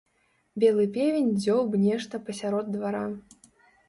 Белы певень дзёўб нешта пасярод двара.